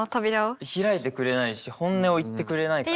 開いてくれないし本音を言ってくれないから。